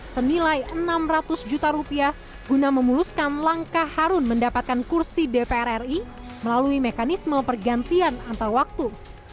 senilai enam ratus juta rupiah guna memuluskan langkah harun mendapatkan kursi dpr ri melalui mekanisme pergantian antar waktu